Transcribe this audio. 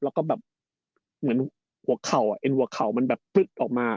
แล้วก็แบบเหมือนหัวเข่าเอ็นหัวเข่ามันแบบปึ๊ดออกมา